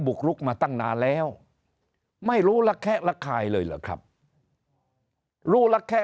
กรุกมาตั้งนานแล้วไม่รู้ละแคะระคายเลยเหรอครับรู้ละแค่